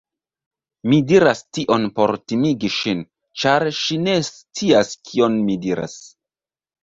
Mi diras tion por timigi ŝin, ĉar ŝi ne scias kion mi diras.